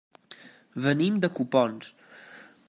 Venim de Copons.